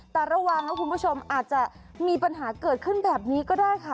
แต่ระวังนะคุณผู้ชมอาจจะมีปัญหาเกิดขึ้นแบบนี้ก็ได้ค่ะ